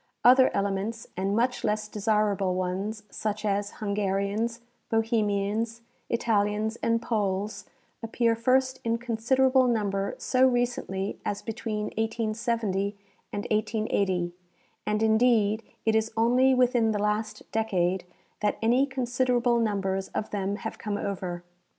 Other elements, and much less desirable ones, such as Hungarians, Bohemians, Italians and Poles, appear first in considerable number so recently as between 1870 and 1880, and, indeed, it is only within the last decade that any considerable numbers of them have come over.